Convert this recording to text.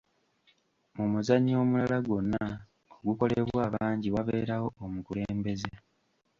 Mu muzannyo omulala gwonna ogukolebwa abangi, wabeerawo omukulembeze.